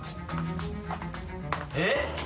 えっ？